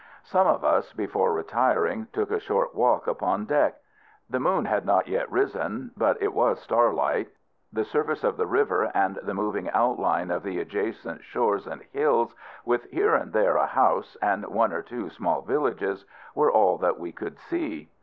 Some of us, before retiring, took a short walk upon deck. The moon had not yet risen, but it was starlight. The surface of the river, and the waving outline of the adjacent shores and hills, with here and there a house, and one or two small villages, were all that we could see.